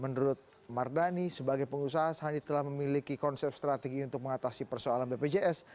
menurut mardani sebagai pengusaha sandi telah memiliki konsep strategi untuk mengatasi persoalan bpjs